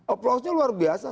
applausnya luar biasa